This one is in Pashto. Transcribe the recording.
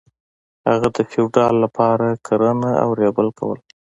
هغه د فیوډال لپاره کرنه او ریبل کول.